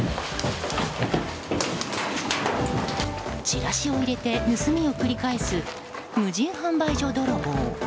チラシを入れて盗みを繰り返す無人販売所泥棒。